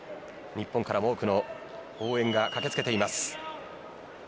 日本から多くの応援が駆けつけています。